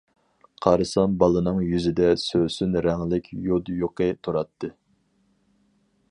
قارىسام، بالىنىڭ يۈزىدە سۆسۈن رەڭلىك يود يۇقى تۇراتتى.